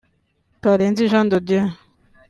Karenzi Jean de Dieu